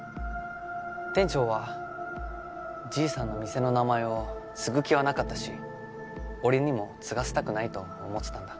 店長はじいさんの店の名前を継ぐ気はなかったし俺にも継がせたくないと思ってたんだ。